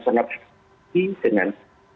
saya kira dengan